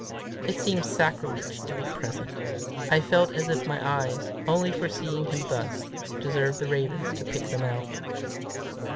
It seemed sacrilege to be present. I felt as if my eyes, only for seeing him thus, deserved the ravens to pick them out.